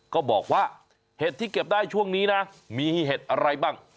ก็บอกว่าเห็ดที่เก็บได้ช่วงนี้นะมีเห็ดอะไรบ้าง